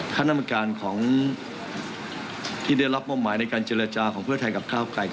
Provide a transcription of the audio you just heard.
คณะกรรมการของที่ได้รับมอบหมายในการเจรจาของเพื่อไทยกับก้าวไกล